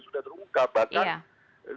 sudah terungkap bahkan